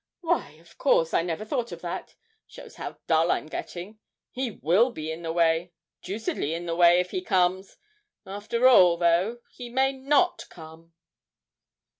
Why, of course, I never thought of that shows how dull I'm getting! He will be in the way deucedly in the way, if he comes! After all, though, he may not come!'